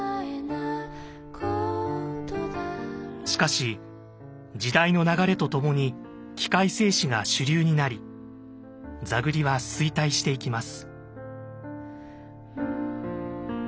しかし時代の流れとともに器械製糸が主流になり座繰りは衰退していきます。